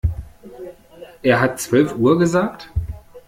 Er hat zwölf Uhr gesagt?